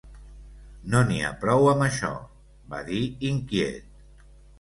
"No n'hi ha prou amb això", va dir inquiet.